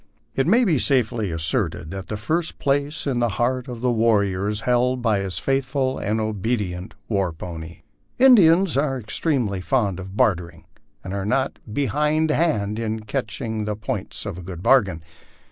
It may be safely asserted that the first place in the heart of the warrior is held by his faithful and obedient war pony. Indians are extremely fond of bartering, and are not behindhand in catch ing the points of a good bargain.